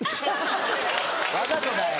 ・わざとだよ・